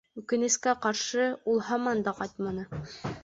Үкенескә ҡаршы, ул һаман да ҡайтманы